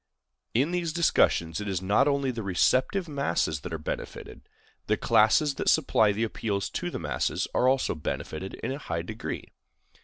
In these discussions, it is not only the receptive masses that are benefited; the classes that supply the appeals to the masses are also benefited in a high degree.